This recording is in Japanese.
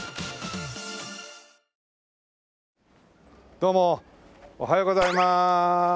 どうもおはようございます。